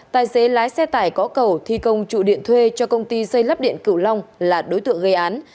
tài xế lái xe tải có cầu thi công trụ điện thuê cho công ty xây lắp điện cửu long là đối tượng gây án